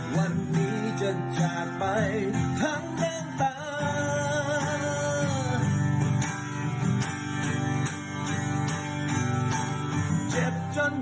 วันนี้ไม่ได้ว่านี้ไม่ได้